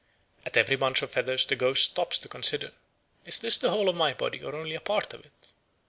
At every bunch of feathers the ghost stops to consider, "Is this the whole of my body or only a part of it?"